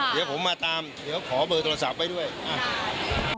เดี๋ยวผมมาตามเดี๋ยวขอเบอร์โทรศัพท์ไว้ด้วยอ้าว